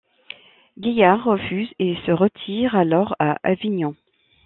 Gaillard refuse et se retire alors à Avignon.